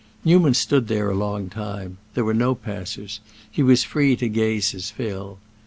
Newman stood there a long time; there were no passers; he was free to gaze his fill.